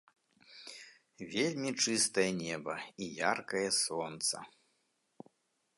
Вельмі чыстае неба і яркае сонца.